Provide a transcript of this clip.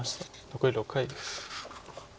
残り６回です。